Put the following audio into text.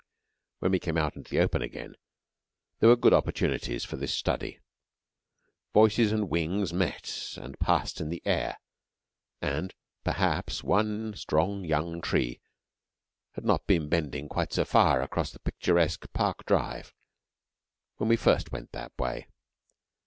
When we came out into the open again there were good opportunities for this study. Voices and wings met and passed in the air, and, perhaps, one strong young tree had not been bending quite so far across the picturesque park drive when we first went that way.